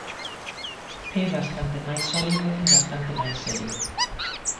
É bastante máis sólido e bastante máis serio.